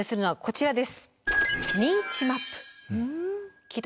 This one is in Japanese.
こちらです。